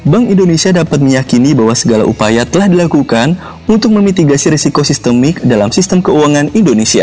bank indonesia dapat meyakini bahwa segala upaya telah dilakukan untuk memitigasi risiko sistemik dalam sistem keuangan indonesia